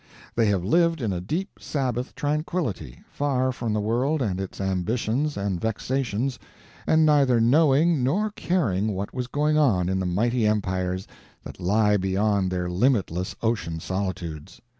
They have lived in a deep Sabbath tranquillity, far from the world and its ambitions and vexations, and neither knowing nor caring what was going on in the mighty empires that lie beyond their limitless ocean solitudes.